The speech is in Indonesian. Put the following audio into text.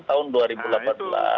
nah itu karena nggak kena